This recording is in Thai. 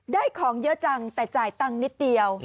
ได้ของเยอะจังแต่จ่ายตังค์นิดเดียว